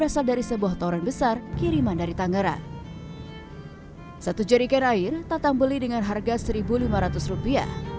satu persatu jadi candy